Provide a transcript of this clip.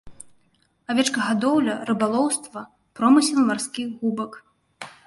Авечкагадоўля, рыбалоўства, промысел марскіх губак.